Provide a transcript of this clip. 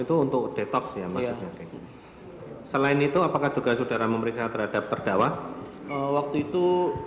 itu untuk detox yang selain itu apakah juga saudara memeriksa terhadap terdakwa waktu itu